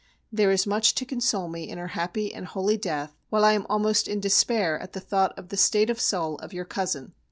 There is much to console me in her happy and holy death, while I am almost in despair at the thought of the state of soul of your cousin.